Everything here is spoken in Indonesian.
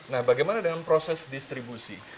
nah bagaimana dengan proses distribusi